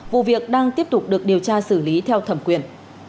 vụ việc đang tiếp tục được điều tra xử lý theo thẩm quyền